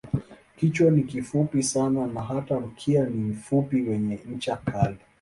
Kichwa ni kifupi sana na hata mkia ni mfupi wenye ncha kali.